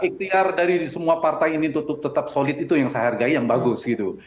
ikhtiar dari semua partai ini tetap solid itu yang saya hargai yang bagus gitu